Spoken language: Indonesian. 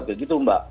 kayak gitu mbak